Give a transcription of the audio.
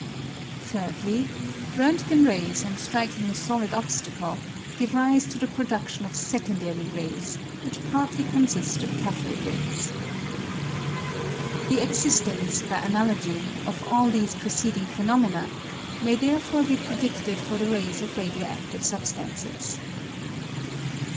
Thirdly, Rontgen rays, on striking a solid obstacle, give rise to the produdion of secondary rays, which partly consist of cathode rays. The existence, by analogy, of all these preceding pheno mena may therefore be predidted for the rays of radio adive substances.